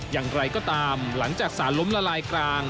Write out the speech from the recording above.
อย่างไรก็ตามหลังจากสารล้มละลายกลาง